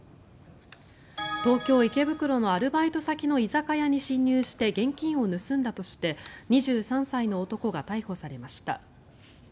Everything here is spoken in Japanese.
東京・池袋のアルバイト先の居酒屋に侵入して現金を盗んだとして２３歳の男が逮捕されました。